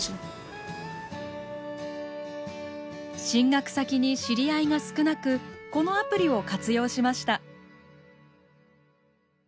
進学先に知り合いが少なくこのアプリを活用しました。